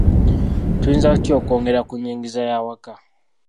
Tuyinza tutya okwongera ku nnyingiza y'awaka?